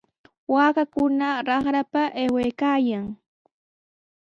Waakakuna raqrapa aywaykaayan.